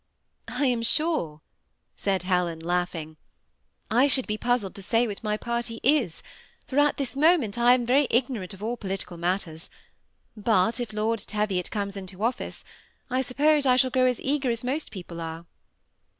158 THE SEMI ATTACHED COUPLE. " I am sure," said Helen, laughing, ^^ I should be pu2^ zled to say what laj party is, for at this moment I am yerj ignorant of all political matters ; but if Lord Teviot comes into office, I suppose I shall grow as eager as most people are."